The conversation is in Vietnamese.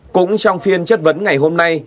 cũng trong phiên chất vấn ngày hôm nay